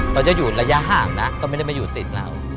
เขาจะอยู่ระยะห่างนะก็ไม่ได้มาอยู่ติดเรา